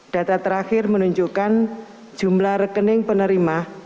data terakhir menunjukkan jumlah rekening penerima